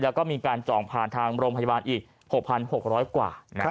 แล้วก็มีการจองผ่านทางโรงพยาบาลอีก๖๖๐๐กว่า